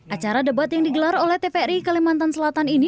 acara debat yang digelar oleh tvri kalimantan selatan ini